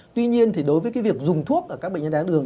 tuy nhiên đối với việc dùng thuốc ở các bệnh nhân đài tháo đường